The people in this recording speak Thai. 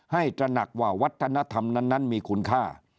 ตระหนักว่าวัฒนธรรมนั้นมีคุณค่า